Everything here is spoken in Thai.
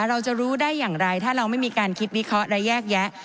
เราจะรู้ได้อย่างไรถ้าเราไม่มีการคิดวิเคราะห์และแยกแยะ